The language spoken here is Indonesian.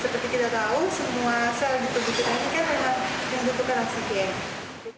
seperti kita tahu semua sel di tubuh kita ini kan memang membutuhkan oksigen